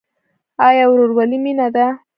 آیا ورورولي مینه ده؟